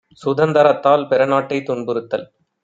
சுதந்தரத்தால் பிறநாட்டைத் துன்பு றுத்தல்!